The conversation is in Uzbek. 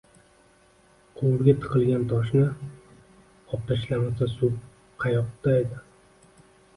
Quvurga tiqilgan toshni obtashlamasa suv qayoqdaydi.